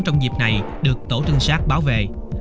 trong dịp này được tổ trinh sát bảo vệ